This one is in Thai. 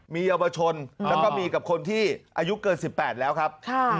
มีเยาวชนแล้วก็มีกับคนที่อายุเกิน๑๘แล้วครับ